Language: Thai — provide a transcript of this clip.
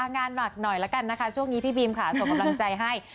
งานหนักหน่อยแล้วกันนะคะช่วงนี้พี่บีมค่ะส่งกำลังใจให้